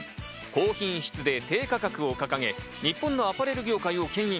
高品質で低価格を掲げ、日本のアパレル業界をけん引。